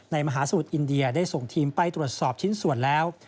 มหาสมุทรอินเดียได้ส่งทีมไปตรวจสอบชิ้นส่วนแล้ว